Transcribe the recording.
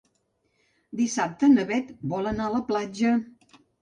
Dissabte na Beth vol anar a la platja.